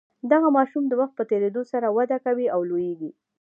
دغه ماشوم د وخت په تیریدو سره وده کوي او لوییږي.